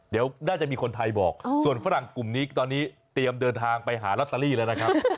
เดี๋ยวน่าจะมีคนไทยบอกส่วนฝรั่งกลุ่มนี้ตอนนี้เตรียมเดินทางไปหาลอตเตอรี่แล้วนะครับ